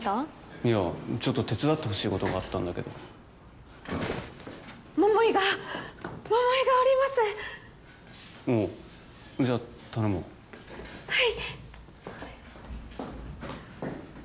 いやちょっと手伝ってほしいことがあったんだけど桃井が桃井がおりますおうじゃあ頼むわはい